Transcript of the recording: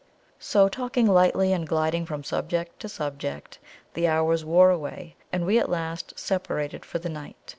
So, talking lightly, and gliding from subject to subject, the hours wore away, and we at last separated for the night.